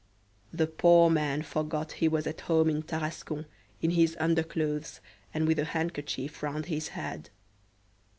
The poor man forgot he was at home in Tarascon, in his underclothes, and with a handkerchief round his head.